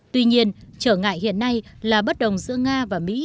tuy nhiên trở ngại hiện nay là bất đồng giữa nga và mỹ